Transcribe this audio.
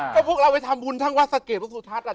ก็พวกเราให้ทำวุ้นทั้งว่าสักเกตสุดท้าย